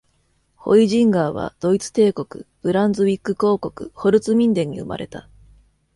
ホイジンガーは、ドイツ帝国、ブランズウィック公国ホルツミンデンに生まれた。